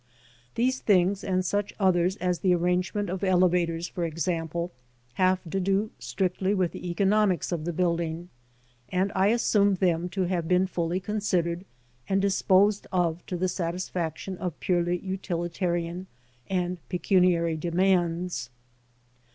These things, and such others as the arrangement of elevators, for example, have to do strictly with the economics of the building, and I assume them to have been fully considered and disposed of to the satisfaction of purely utilitarian and pecuniary demands.